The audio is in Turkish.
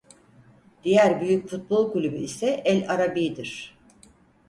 Diğer büyük futbol kulübü ise El-Arabi'dir.